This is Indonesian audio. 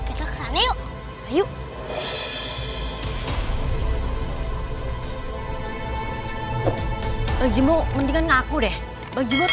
eh kita ke sana yuk